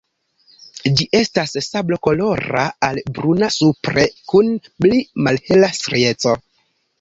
Ĝi estas sablokolora al bruna supre kun pli malhela strieco.